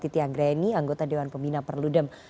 pak benny anggota dewan pembina perludem